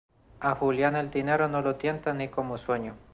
A Julián el dinero no lo tienta ni como sueño.